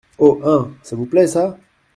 Haut. hein ! ça vous plaît, ça ?